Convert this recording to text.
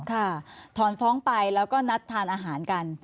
ค่ะถอนฟ้องไปแล้วก็นัดทานอาหารกัน